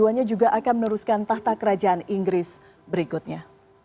keduanya juga akan meneruskan tahta kerajaan inggris berikutnya